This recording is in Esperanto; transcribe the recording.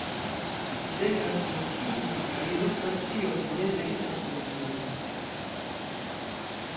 Degas naskiĝis en Parizo, Francio, en meze riĉan familion.